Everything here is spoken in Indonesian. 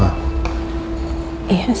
kamu perlu apa sayang